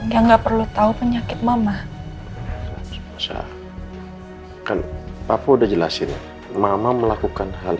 yang nggak perlu tahu penyakit mama bisa kan papu udah jelasin mama melakukan hal